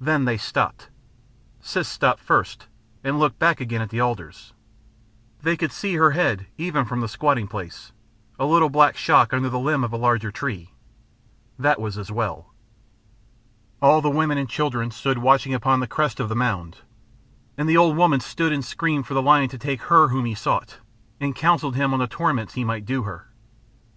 Then they stopped. Siss stopped first and looked back again at the alders. They could see her head even from the squatting place, a little black shock under the limb of the larger tree. That was as well. All the women and children stood watching upon the crest of the mound. And the old woman stood and screamed for the lion to take her whom he sought, and counselled him on the torments he might do her.